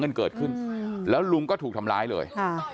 กันเกิดขึ้นแล้วลุงก็ถูกทำร้ายเลยค่ะ